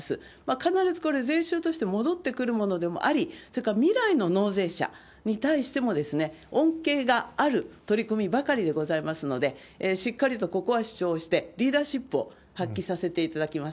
必ずこれ、税収として戻ってくるものでもあり、それから未来の納税者に対しても恩恵がある取り組みばかりでございますので、しっかりとここは主張して、リーダーシップを発揮させていただきます。